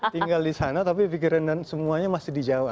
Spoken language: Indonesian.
tinggal di sana tapi pikiran dan semuanya masih di jawa